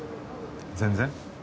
全然。